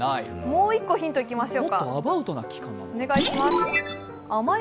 もう１個、ヒントいきましょうか。